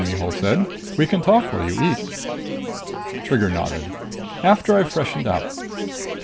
Mihul said. "We can talk while you eat." Trigger nodded. "After I've freshened up."